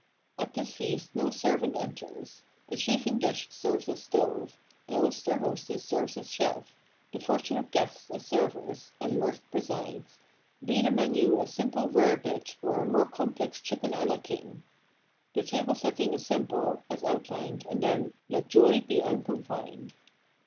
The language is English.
At this feast no servant enters; the chafing dish serves as stove, the host or hostess serves as chef, the fortunate guests as servers, and mirth presides, be the menu a simple rarebit or a more complex chicken a la King. The tablesetting is simple, as outlined, and then — "let joy be unconfined."